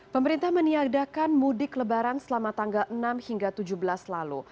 pemerintah meniadakan mudik lebaran selama tanggal enam hingga tujuh belas lalu